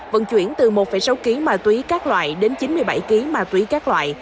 vận chuyển từ một sáu kg ma túy các loại đến chín mươi bảy kg ma túy các loại